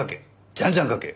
じゃんじゃん書け。